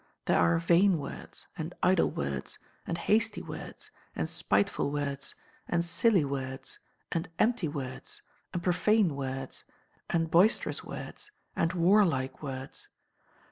There are vain words, and idle words, and hasty words, and spiteful words, and silly words, and empty words, and profane words, and boisterous words, and warlike words.